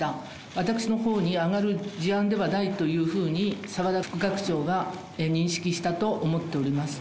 私のほうに上がる事案ではないというふうに、澤田副学長が認識したと思っております。